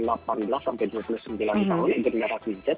empat belas sembilan belas sampai dua puluh sembilan tahun yang di generasi z